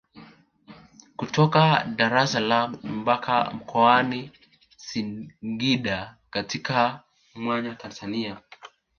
Kutoka Daressalaam mpaka Mkoani Singida katikati mwa Tanzania